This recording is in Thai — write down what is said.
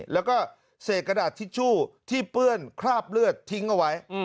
ใส่กระดาษที่ชู่ที่เป้ื้อนคราบเลือดทิ้งไว้